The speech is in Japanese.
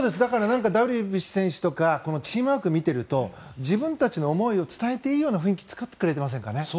ダルビッシュ選手とかチームワークを見ていると自分たちの思いを伝えているような雰囲気を作ってくれていませんかね。